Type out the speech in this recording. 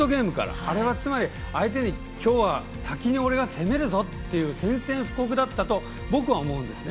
あれはつまり、相手にきょうは先に俺が攻めるぞという宣戦布告だったと僕は思うんですね。